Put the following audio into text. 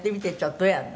どうやるの？」